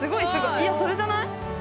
いやそれじゃない？